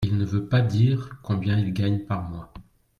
Il ne veut pas dire combien il gagne par mois.